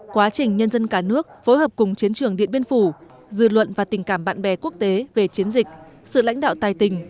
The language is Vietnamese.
quá trình nhân dân cả nước phối hợp cùng chiến trường điện biên phủ dư luận và tình cảm bạn bè quốc tế về chiến dịch sự lãnh đạo tài tình